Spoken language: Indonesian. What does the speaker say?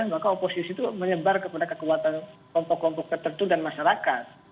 maka oposisi itu menyebar kepada kekuatan kelompok kelompok tertentu dan masyarakat